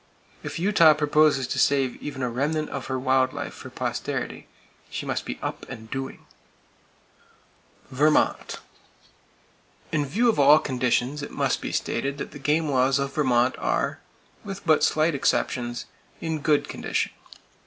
If Utah proposes to save even a remnant of her wild life for posterity, she must be up and doing. Vermont: [Page 299] In view of all conditions, it must be stated that the game laws of Vermont are, with but slight exceptions, in good condition.